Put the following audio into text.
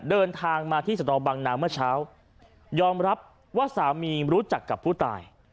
เดินทางมาที่สนบังนาเมื่อเช้ายอมรับว่าสามีรู้จักกับผู้ตาย